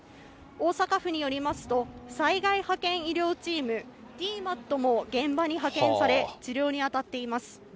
大阪府によりますと、災害派遣医療チーム・ＤＭＡＴも現場に派遣され、治療に当たっています。